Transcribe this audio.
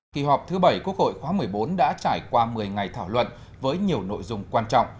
kỳ họp thứ bảy quốc hội khóa một mươi bốn đã trải qua một mươi ngày thảo luận với nhiều nội dung quan trọng